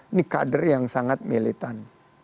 ini kader yang sangat militan